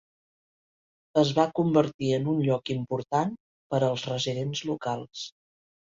Es va convertir en un lloc important per als residents locals.